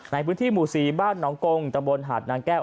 ในพื้นที่หมู่๔บ้านหนองกงตะบนหาดนางแก้ว